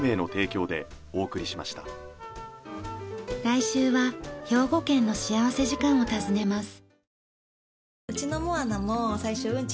来週は兵庫県の幸福時間を訪ねます。